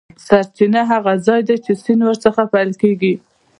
سرچینه هغه ځاي دی چې سیند ور څخه پیل کیږي.